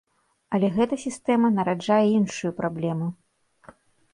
Але гэта сістэма нараджае іншую праблему.